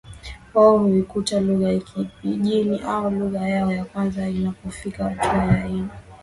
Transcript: wao huikuta lugha ya kipijini ama lugha yao ya kwanza Inapofikia hatua ya aina